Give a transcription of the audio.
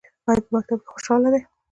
ایا په مکتب کې خوشحاله دي؟